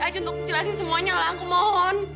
iya kita pernah buat jalan sampe yang selanjutnya itu